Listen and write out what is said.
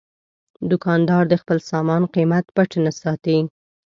دوکاندار د خپل سامان قیمت پټ نه ساتي.